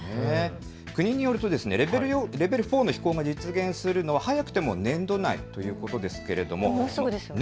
国によるとレベル４の飛行が実現するのは早くても年度内ということですが、もうすぐですよね。